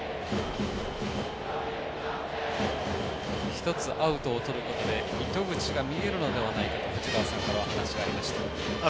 １つアウトをとることで糸口が見えるのではないかと藤川さんからお話がありました。